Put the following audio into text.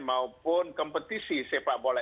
maupun kompetisi sepak bola